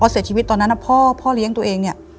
เสียชีวิตตอนนั้นพ่อเลี้ยงตัวเอง